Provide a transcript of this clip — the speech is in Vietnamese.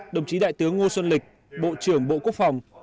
đồng chí đại tướng ngô xuân lịch bộ trưởng bộ quốc phòng